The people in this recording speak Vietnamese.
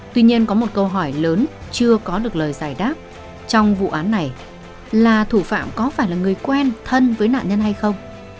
tuy nhiên có một câu hỏi lớn chưa có được lời giải đáp trong vụ án này là thủ phạm có phải là người quen thân với nạn nhân hay không